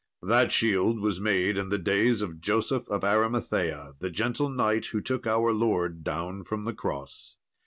"That shield was made in the days of Joseph of Arimathea, the gentle knight who took our Lord down from the cross.